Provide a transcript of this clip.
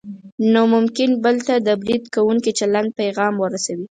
نو ممکن بل ته د برید کوونکي چلند پیغام ورسوي.